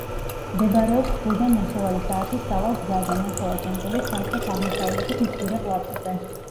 მდებარეობს ზღვიდან ნახევარი საათის სავალ გზაზე, ნახევარ კუნძულის სამხრეთ-აღმოსავლეთით მცირე პლატოზე.